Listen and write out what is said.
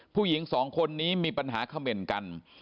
ผู้หญิงสองคนนี้มีปัญหาเขม่นกัน